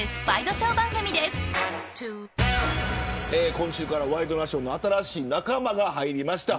今週からワイドナショーに新しい仲間が入りました。